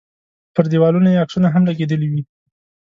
پر دیوالونو یې عکسونه هم لګېدلي وي.